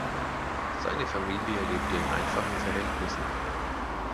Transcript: Seine Familie lebte in einfachen Verhältnissen.